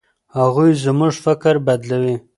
هغوی زموږ فکر بدلوي.